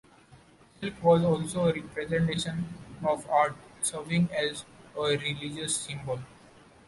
Silk was also a representation of art, serving as a religious symbol.